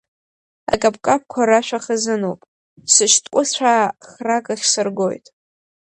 Акаԥкаԥқәа рашәа хазыноуп, сышьҭкәыцәаа хракахь сыргоит.